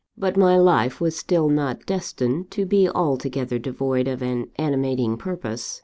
"But my life was still not destined to be altogether devoid of an animating purpose.